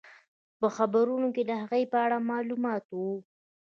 په خبرونو کې د هغې په اړه معلومات وو.